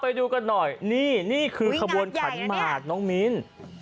ไปดูกันหน่อยนี่นี่คือขบวนขันหมากน้องมิ้น